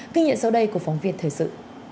kinh nghiệm sau đây của phóng viên thời sự